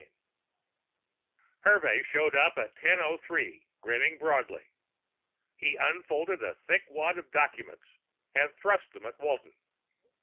XVI Hervey showed up at 1003, grinning broadly. He unfolded a thick wad of documents and thrust them at Walton.